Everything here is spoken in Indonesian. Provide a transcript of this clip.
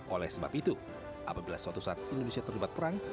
oleh sebab itu apabila suatu saat indonesia terlibat perang